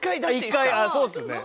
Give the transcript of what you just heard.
１回あそうっすね。